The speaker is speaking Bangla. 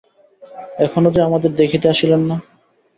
এখনও যে আমাদের দেখিতে আসিলেন না?